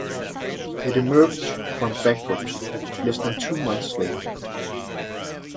It emerged from bankruptcy less than two months later.